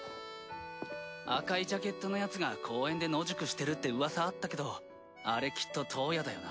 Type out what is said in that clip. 赤いジャケットのヤツが公園で野宿してるってウワサあったけどあれきっとトウヤだよな？